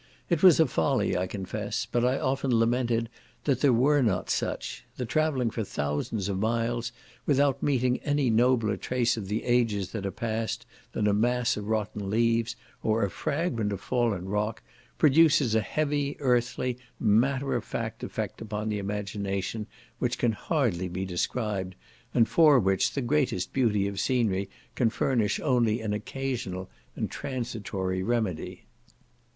It was a folly, I confess, but I often lamented they were not such; the travelling for thousands of miles, without meeting any nobler trace of the ages that are passed, than a mass of rotten leaves, or a fragment of fallen rock, produces a heavy, earthly matter of fact effect upon the imagination, which can hardly be described, and for which the greatest beauty of scenery can furnish only an occasional and transitory remedy.